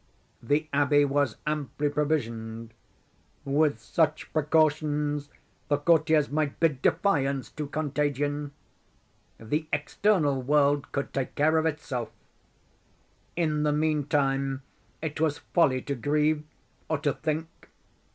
The abbey was amply provisioned. With such precautions the courtiers might bid defiance to contagion. The external world could take care of itself. In the meantime it was folly to grieve, or to think.